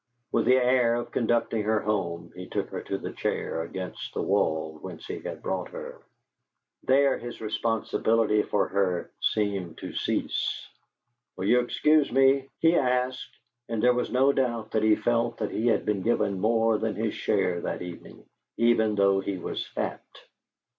With the air of conducting her home he took her to the chair against the wall whence he had brought her. There his responsibility for her seemed to cease. "Will you excuse me?" he asked, and there was no doubt that he felt that he had been given more than his share that evening, even though he was fat.